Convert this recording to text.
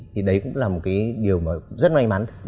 thì đấy cũng là một cái điều mà rất may mắn